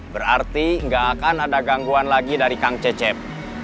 berarti nggak akan ada gangguan lagi dari kang cecep